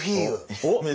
おっ！